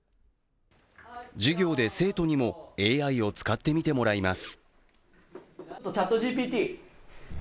授業で生徒にもＡＩを使ってみてもらいます。